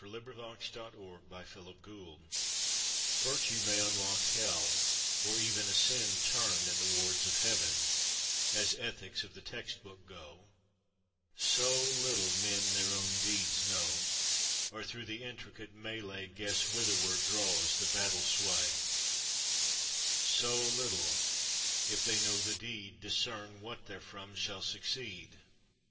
EPILOGUE TO "A JUDGEMENT IN HEAVEN" Virtue may unlock hell, or even A sin turn in the wards of Heaven, (As ethics of the text book go), So little men their own deeds know, Or through the intricate mêlèe Guess whitherward draws the battle sway; So little, if they know the deed, Discern what therefrom shall succeed.